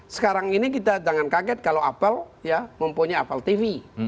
sekarang ini kita jangan kaget kalau apel mempunyai afal tv